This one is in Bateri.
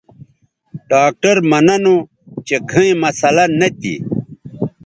ڈاکٹر مہ ننو چہ گھئیں مسلہ نہ تھی